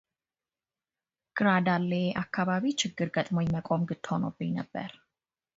ግራ ዳልዬ አካባቢ ችግር ገጥሞኝ መቆም ግድ ሆኖብኝ ነበር።